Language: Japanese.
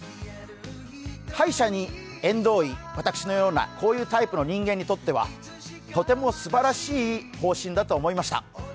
歯医者に縁遠い私のようなこういうタイプの人間にとってはとてもすばらしい方針だと思いました。